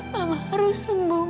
mama harus sembuh ma